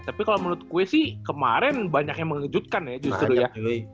tapi kalau menurut gue sih kemarin banyak yang mengejutkan ya justru ya